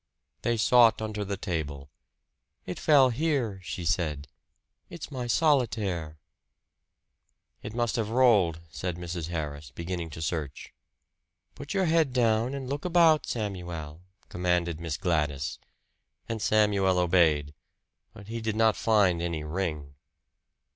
They sought under the table. "It fell here," she said. "It's my solitaire." "It must have rolled," said Mrs. Harris, beginning to search. "Put your head down and look about, Samuel," commanded Miss Gladys, and Samuel obeyed; but he did not find any ring.